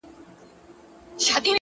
څنگه دي هېره كړمه!